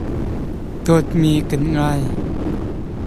Caw vang cu a sa a tam ngai.